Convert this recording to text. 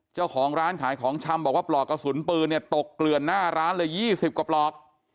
เจ้าของร้านขายของชำบอกว่าปลอกกระสุนปืนเนี่ยตกเกลือนหน้าร้านเลย๒๐กว่าปลอก